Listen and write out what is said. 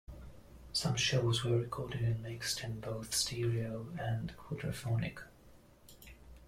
Some shows were recorded and mixed in both stereo and quadraphonic.